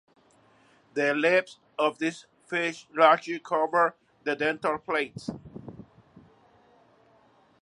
The lips of this fish largely cover the dental plates.